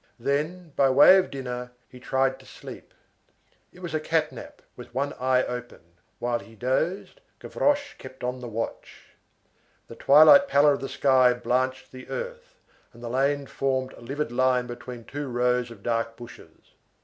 Then, by way of dinner, he tried to sleep. It was a cat nap, with one eye open. While he dozed, Gavroche kept on the watch. The twilight pallor of the sky blanched the earth, and the lane formed a livid line between two rows of dark bushes.